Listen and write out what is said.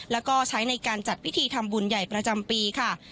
แล้วก็ใช้ในการจัดพิธีทำบุญใหญ่ประจำปีค่ะ